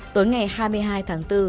tối ngày hai mươi hai tháng bốn